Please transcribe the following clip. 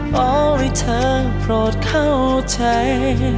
เพราะให้เธอโปรดเข้าใจ